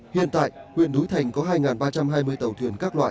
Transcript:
hiện tại huyện núi thành có hai ba trăm hai mươi tàu thuyền